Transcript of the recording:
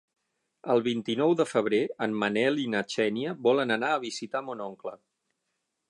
El vint-i-nou de febrer en Manel i na Xènia volen anar a visitar mon oncle.